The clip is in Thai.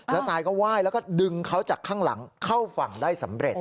ทรายก็ไหว้แล้วก็ดึงเขาจากข้างหลังเข้าฝั่งได้สำเร็จ